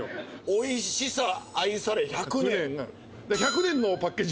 「おいしさ愛され１００年」。